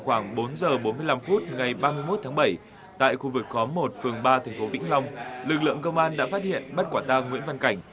khoảng bốn giờ bốn mươi năm phút ngày ba mươi một tháng bảy tại khu vực khóm một phường ba thành phố vĩnh long lực lượng công an đã phát hiện bắt quả tang nguyễn văn cảnh